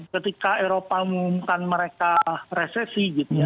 ketika eropa mengumumkan mereka resesi gitu ya